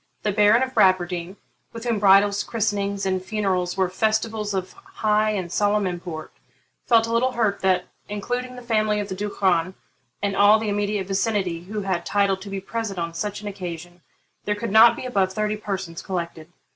The Baron of Bradwardine, with whom bridals, christenings, and funerals were festivals of high and solemn import, felt a little hurt that, including the family of the Duchran and all the immediate vicinity who had title to be present on such an occasion, there could not be above thirty persons collected.